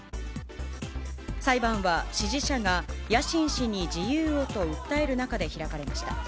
裁判は、支持者がヤシン氏に自由をと訴える中で開かれました。